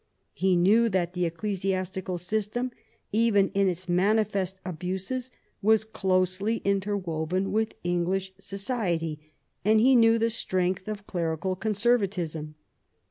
He knew that the ecclesiastical system, even in its manifest abuses, was closely interwoven with English society, and he knew the strength of clerical conservatism.